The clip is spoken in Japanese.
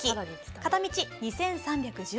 片道２３１０円。